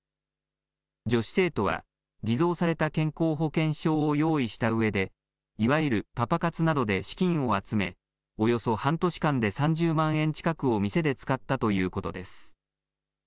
女子生徒は偽造された健康保険証を用意したうえでいわゆるパパ活などで資金を集め、およそ半年間で３０万円近くを店で使ったということです。